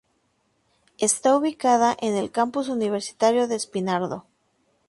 Está ubicada en el Campus Universitario de Espinardo.